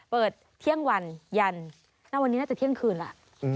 เปิดเที่ยงวันยันณวันนี้น่าจะเที่ยงคืนแล้ว